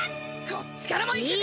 こっちからも行くぜ！